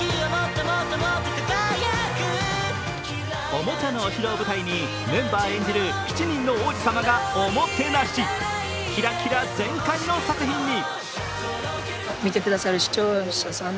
おもちゃのお城を舞台にメンバー演じる７人の王子様がおもてなしキラキラ全開の作品に。